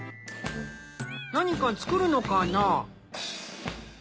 何か作るのかな？